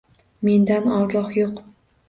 Mendan ogoh yo’q